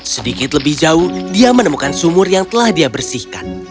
sedikit lebih jauh dia menemukan sumur yang telah dia bersihkan